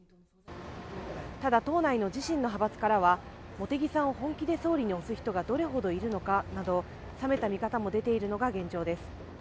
ただ党内の自身の派閥からは茂木さんを本気で総理に推す人がどれほどいるのかなど冷めた見方も出ているのが現状です。